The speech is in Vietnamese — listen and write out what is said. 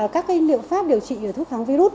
các liệu pháp điều trị thuốc kháng virus